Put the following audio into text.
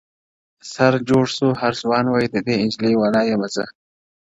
شر جوړ سو هر ځوان وای د دې انجلې والا يمه زه _